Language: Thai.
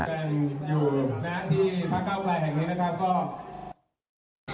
แกก็บอกว่าแกเป็นประธานสภาอายุน้อยกว่าพวกผมอีกตอนนั้น